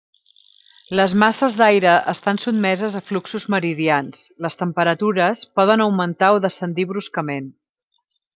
Les masses d'aire estant sotmeses a fluxos meridians, les temperatures poden augmentar o descendir bruscament.